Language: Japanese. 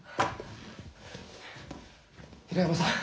平山さん